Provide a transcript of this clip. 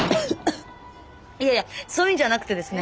いやいやそういうんじゃなくてですね。